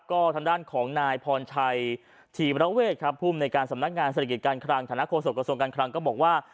ก็ทางด้านของนายพรชัยธีมระเวทครับภูมิในการสำนักงานเศรษฐกิจการคลังฐานโฆษกระทรวงการคลังก็บอกว่า